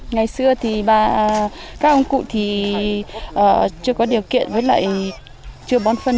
ngày xưa thì các ông cụ thì chưa có điều kiện với lại chưa bón phân